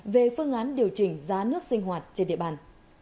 về phương án điều chỉnh giá nước sinh hoạt trên địa bàn